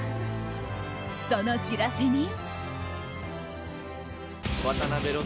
その知らせに。